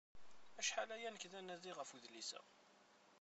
Acḥal aya nekk d anadi ɣef udlis-a.